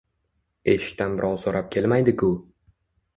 Eshikdan birov so‘rab kelmaydi-ku!